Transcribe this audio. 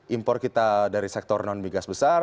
impor kita dari sektor non migas besar